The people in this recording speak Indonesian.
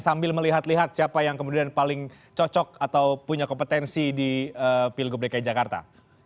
sambil melihat lihat siapa yang kemudian paling cocok atau punya kompetensi di pilgub dki jakarta